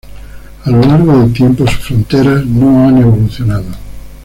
A lo largo del tiempo, sus fronteras no han evolucionado.